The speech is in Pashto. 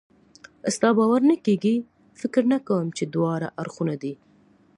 ستا باور نه کېږي؟ فکر نه کوم چې دواړه اړخونه دې.